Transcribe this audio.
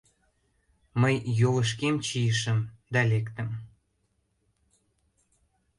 Мый йолышкем чийышым да лектым.